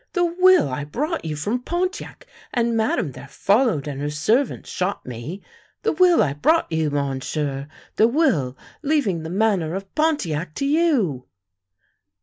"The will I brought you from Pontiac, and Madame there followed and her servant shot me. The will I brought you, Monsieur. The will leaving the Manor of Pontiac to you!